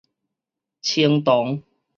菁桐